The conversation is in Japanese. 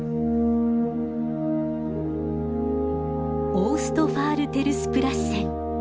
オーストファールテルスプラッセン。